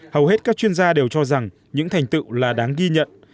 hầu hết các chuyên gia đều cho rằng những thành tựu là đáng ghi nhận